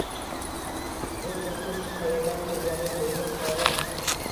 Buncha kuch qayerdan kelganiga o’zim hayron.